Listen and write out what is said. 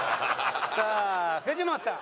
さあ藤本さん。